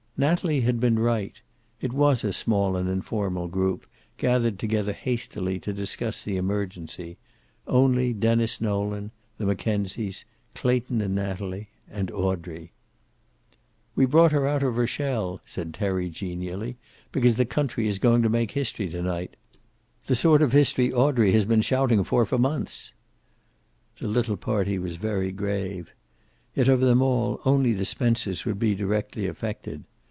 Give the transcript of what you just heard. Natalie had been right. It was a small and informal group, gathered together hastily to discuss the emergency; only Denis Nolan, the Mackenzies, Clayton and Natalie, and Audrey. "We brought her out of her shell," said Terry, genially, "because the country is going to make history to night. The sort of history Audrey has been shouting for for months." The little party was very grave. Yet, of them all, only the Spencers would be directly affected.